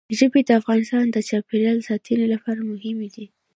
ژبې د افغانستان د چاپیریال ساتنې لپاره مهم دي.